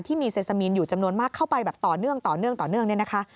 ที่มีเซสามีนอยู่จำนวนมากเข้าไปต่อเนื่องเนี่ยนะคะ